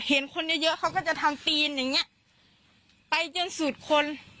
เห็นคนเยอะเยอะเขาก็จะทำปีนอย่างเงี้ยไปจนสุดคน